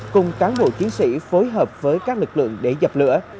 cùng cán bộ chiến sĩ phối hợp với các lực lượng để dập lửa